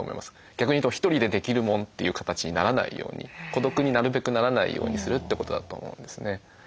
逆に言うと「１人でできるもん」という形にならないように孤独になるべくならないようにするってことだと思うんですね。